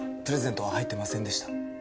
プレゼントは入ってませんでした。